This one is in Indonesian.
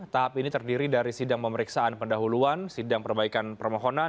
tahap ini terdiri dari sidang pemeriksaan pendahuluan sidang perbaikan permohonan